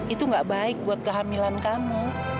itu gak baik buat kehamilan kamu